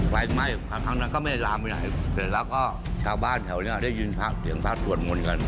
ไฟไหม้ครั้งนั้นก็ไม่ลามไปไหนเสร็จแล้วก็ชาวบ้านแถวนี้ได้ยินพระเสียงพระสวดมนต์กัน